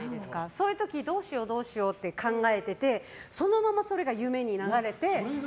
そういう時、どうしようどうしようって考えててそのままそれが夢に流れて。